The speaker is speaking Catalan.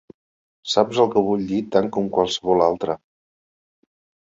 Saps el que vull dir tant com qualsevol altre.